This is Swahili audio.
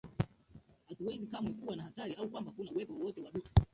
Hatuwezi kamwe kuwa na hatari au kwamba kuna uwepo wowote wa dutu